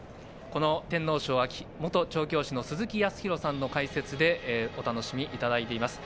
この天皇賞、元調教師の鈴木康弘さんの解説でお楽しみいただいています。